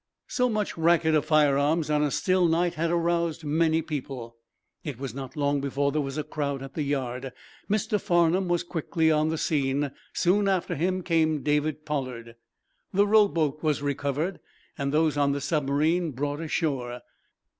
So much racket of firearms on a still night had aroused many people. It was not long before there was a crowd at the yard. Mr. Farnum was quickly on the scene. Soon after him came David Pollard. The rowboat was recovered and those on the submarine brought ashore.